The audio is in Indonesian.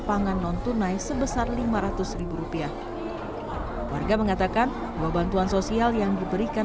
pangan non tunai sebesar lima ratus rupiah warga mengatakan bahwa bantuan sosial yang diberikan